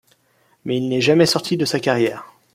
Mais il n’est jamais sorti de sa carrière.